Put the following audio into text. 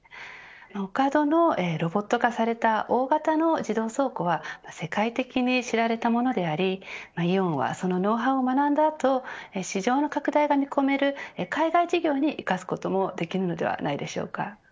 オカドのロボット化された大型の自動倉庫は世界的に知られたものでありイオンはそのノウハウを学んだ後市場の拡大が見込める海外事業に生かすこともできるのではないでしょうか。